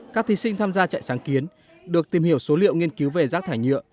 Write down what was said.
các thí sinh tham gia trại sáng kiến được tìm hiểu số liệu nghiên cứu về rác thải nhựa